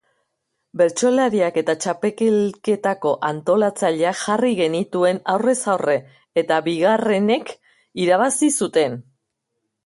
Bertsolariak eta txapelketako antolatzaileak jarri genituen aurrez aurre, eta bigarrenek irabazi zuten.